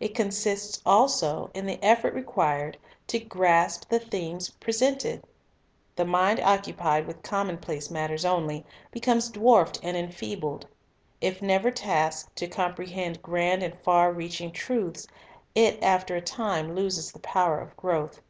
It consists also in the effort required to grasp the themes presented. The mind occupied with common place matters only, becomes dwarfed and enfeebled. If never tasked to comprehend grand and far reaching truths, it after a time loses the power of growth.